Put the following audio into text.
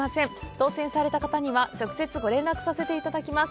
当せんされた方には直接ご連絡させていただきます。